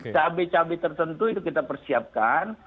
cabai cabai tertentu itu kita persiapkan